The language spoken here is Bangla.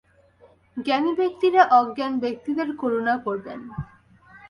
জ্ঞানী ব্যক্তিরা অজ্ঞান ব্যক্তিদের করুণা করবেন।